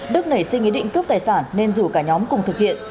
đức nảy sinh ý định cướp tài sản nên rủ cả nhóm cùng thực hiện